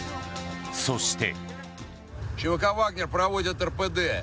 そして。